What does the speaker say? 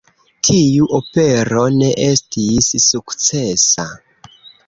Tiu opero ne estis sukcesa.